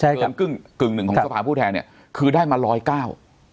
ใช่ครับเกินกึ่งหนึ่งของสภาพผู้แทนเนี้ยคือได้มาร้อยเก้า